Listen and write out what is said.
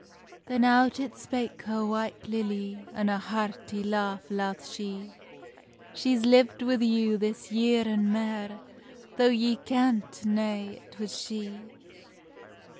Then out it spake her White Lilly, An a hearty laugh laugh she: "She's lived wi you this year an mair, Tho ye kenntna it was she."